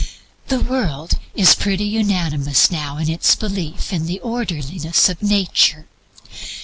The world is pretty unanimous now in its belief in the orderliness of Nature.